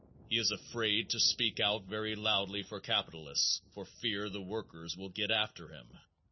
He is afraid to speak out very loudly for capitalists for fear the workers will get after him.